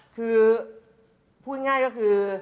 คือพูดง่ายก็คือ